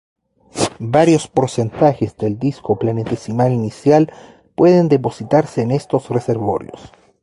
Varios porcentajes del disco planetesimal inicial pueden depositarse en estos reservorios.